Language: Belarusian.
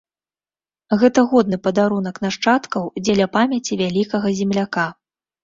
Гэта годны падарунак нашчадкаў дзеля памяці вялікага земляка.